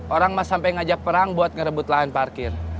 orang sampai ngajak perang buat ngerebut lahan parkir